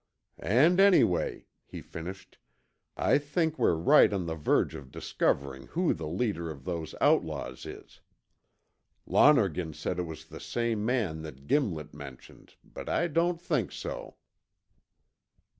"And, anyway," he finished, "I think we're right on the verge of discovering who the leader of those outlaws is. Lonergan said it was the same man that Gimlet mentioned, but I don't think so."